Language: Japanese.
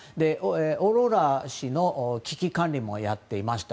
オーロラ市の危機管理もやっていました。